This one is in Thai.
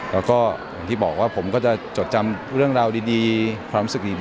แล้วก็อย่างที่บอกว่าผมก็จะจดจำเรื่องราวดีความรู้สึกดี